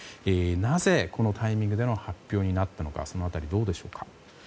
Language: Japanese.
なぜこのタイミングでの発表になったのかその辺り、どうでしょうか。